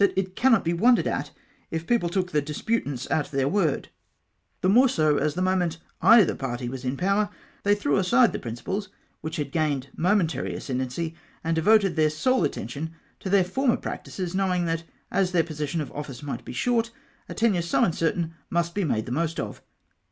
it cannot be wondered at if pe(_^ple took the disputants at their Av'ord ; the more so as the moment either party was in power they threw aside the principles which had gained momentary ascendency, and devoted their sole attention to their former practices, knowing that, as their possession of oflice might be short, a tenure so uncertain must be made the most of.